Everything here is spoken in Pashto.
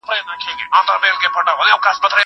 زه د کتابتون لپاره کار کړي دي!